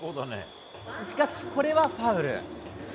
しかし、これはファウル。